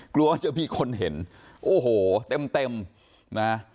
กลัวจะมีคนเห็นโอ้โหเต็มเต็มนะ